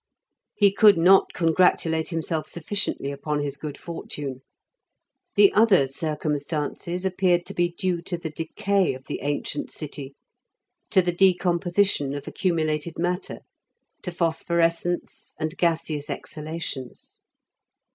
He could not congratulate himself sufficiently upon his good fortune. The other circumstances appeared to be due to the decay of the ancient city, to the decomposition of accumulated matter, to phosphorescence and gaseous exhalations.